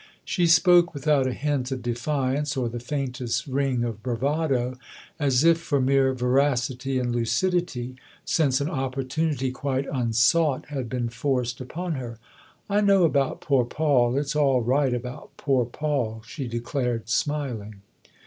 She spoke without a hint of defiance or the faintest ring of bravado, as if for mere veracity and lucidity, since an opportunity quite unsought had been forced upon her. " I know about poor Paul. It's all right about poor Paul," she declared, smiling.